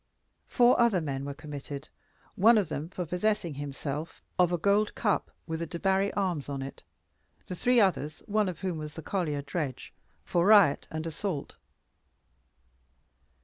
Four other men were committed: one of them for possessing himself of a gold cup with the Debarry arms on it; the three others, one of whom was the collier Dredge, for riot and assault.